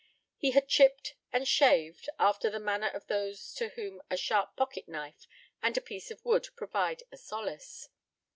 He had chipped and shaved, after the manner of those to whom a sharp pocket knife and a piece of wood provide a solace.